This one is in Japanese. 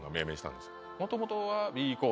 もともとは。